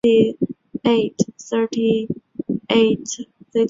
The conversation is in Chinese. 任内其推行的政策直接导致四川大量民众的死亡。